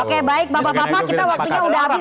oke baik bapak bapak kita waktunya sudah habis